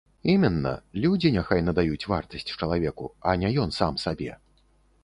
Іменна, людзі няхай надаюць вартасць чалавеку, а не ён сам сабе.